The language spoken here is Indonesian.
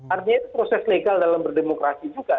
artinya itu proses legal dalam berdemokrasi juga